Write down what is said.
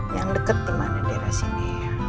yang deket dimana daerah sini